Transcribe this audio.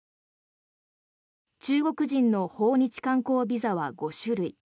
中国人の訪日観光ビザは５種類。